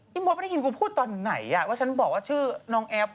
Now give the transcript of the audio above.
มดไม่ได้ยินกูพูดตอนไหนว่าฉันบอกว่าชื่อน้องแอฟ